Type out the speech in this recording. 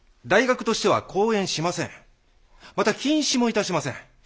また禁止もいたしません。